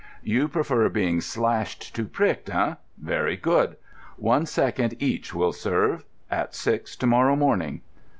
"You prefer being slashed to pricked, eh? Very good. One second each will serve. At six to morrow morning."